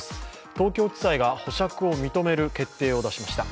東京地裁が保釈を認める決定を出しました。